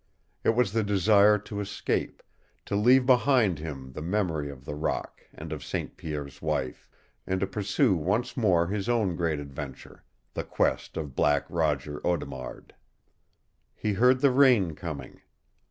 It was the desire to escape, to leave behind him the memory of the rock and of St. Pierre's wife, and to pursue once more his own great adventure, the quest of Black Roger Audemard. He heard the rain coming.